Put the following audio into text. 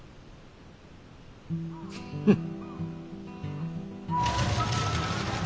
フッ。